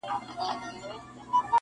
ښکاري و ویل که خدای کول داغه دی,